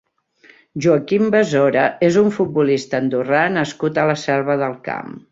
Joaquim Besora és un futbolista andorrà nascut a la Selva del Camp.